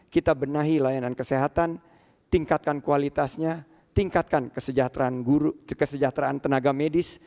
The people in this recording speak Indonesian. kita benahi layanan kesehatan tingkatkan kualitasnya tingkatkan kesejahteraan tenaga medis